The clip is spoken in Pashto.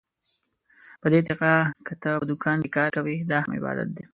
په دې طريقه که ته په دوکان کې کار کوې، دا هم عبادت دى.